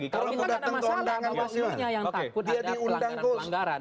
kalau kita datang ke undangan bawaslu nya yang takut ada pelanggaran pelanggaran